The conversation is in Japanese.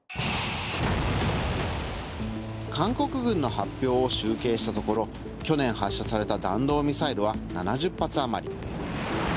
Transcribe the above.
韓国軍の発表を集計したところ去年発射された弾道ミサイルは７０発あまり。